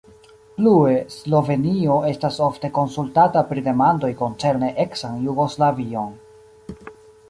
Plue, Slovenio estas ofte konsultata pri demandoj koncerne eksan Jugoslavion.